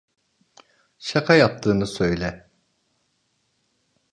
Şaka yaptığını söyle.